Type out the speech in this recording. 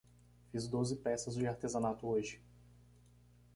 Fiz doze peças de artesanato hoje.